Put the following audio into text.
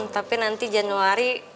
tapi nanti januari